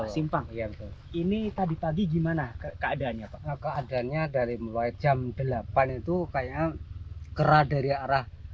simpang ini tadi pagi gimana keadaannya keadaannya dari mulai jam delapan itu kayaknya kerah dari arah